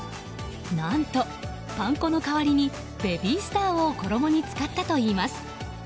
何とパン粉の代わりにベビースターを衣に使ったといいます。